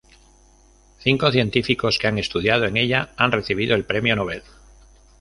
Cinco científicos que han estudiando en ella han recibido el premio Nobel.